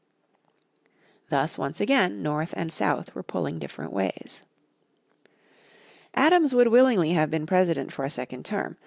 Thus once again North and South were pulling different ways. Adams would willingly have been President for a second term.